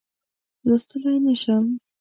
لوستلای نه شم.